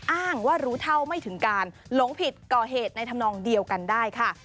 อ้างว่ารู้เท่าไม่ถึงการหลงผิดก่อเหตุในธรรมนองเดียวกันได้ค่ะ